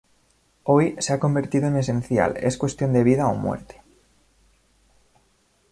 Hoy, se ha convertido en esencial, es cuestión de vida o muerte.